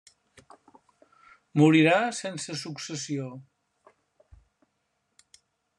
Morirà sense successió.